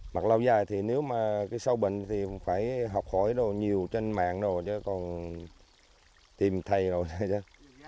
mặc lâu dài thì nếu mà cái sâu bệnh thì phải học hỏi đồ nhiều trên mạng rồi chứ còn tìm thầy rồi chứ